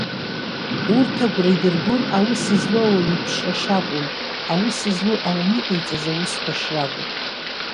Урҭ агәра идыргон аус злоу ауаҩы иԥшра шакәым, аус злоу ауаҩы иҟаиҵаз аусқәа шракәу.